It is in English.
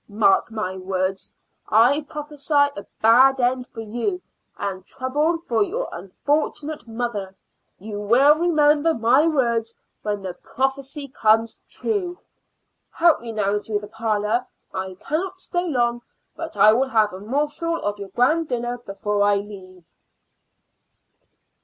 Mark my words. I prophesy a bad end for you, and trouble for your unfortunate mother. You will remember my words when the prophecy comes true. Help me now into the parlor. I cannot stay long, but I will have a morsel of your grand dinner before I leave."